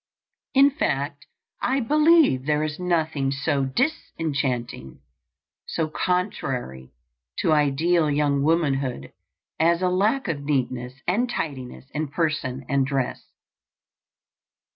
In fact, I believe there is nothing so disenchanting, so contrary to ideal young womanhood as a lack of neatness and tidiness in person and dress.